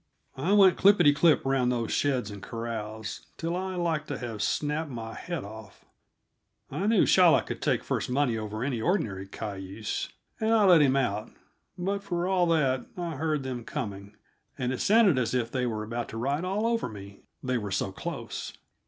I went clippety clip around those sheds and corrals, till I like to have snapped my head off; I knew Shylock could take first money over any ordinary cayuse, and I let him out; but, for all that, I heard them coming, and it sounded as if they were about to ride all over me, they were so close.